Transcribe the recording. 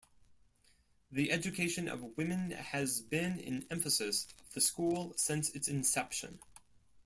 The education of women has been an emphasis of the School since its inception.